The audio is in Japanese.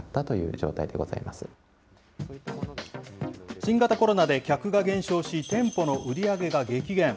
新型コロナで客が減少し、店舗の売り上げが激減。